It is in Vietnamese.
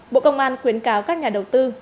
bộ công an khuyến cáo các nhà đầu tư